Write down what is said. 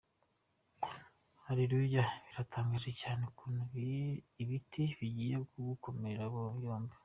Halleluyah biratangaje cyane ukuntu ibiti bigiye kugukomera yombi.